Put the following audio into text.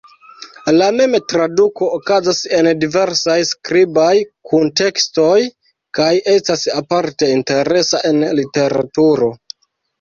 La mem-traduko okazas en diversaj skribaj kuntekstoj kaj estas aparte interesa en literaturo.